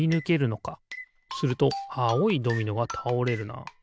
するとあおいドミノがたおれるな。